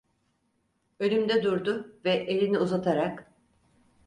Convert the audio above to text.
Önümde durdu ve elini uzatarak.